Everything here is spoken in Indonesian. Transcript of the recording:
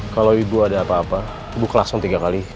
kalau ibu ada apa apa ibu klakson tiga kali